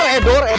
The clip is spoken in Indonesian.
tidak ada apa apa